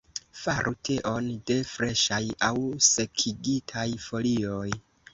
Faru teon de freŝaj aŭ sekigitaj folioj.